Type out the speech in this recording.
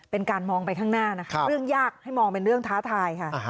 เป็นการมองไปข้างหน้านะคะเรื่องยากให้มองเป็นเรื่องท้าทายค่ะ